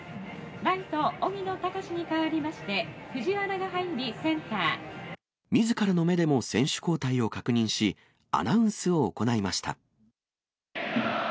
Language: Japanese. ライト、荻野貴司に代わりまして、みずからの目でも選手交代を確認し、アナウンスを行いました。